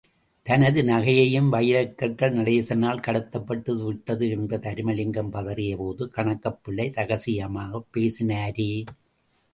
தனது நகையும் வைரக்கற்களும் நடேசனால் கடத்தப்பட்டுவிட்டது என்று தருமலிங்கம் பதறியபோது கணக்கப் பிள்ளை ரகசியமாகப் பேசினாரே!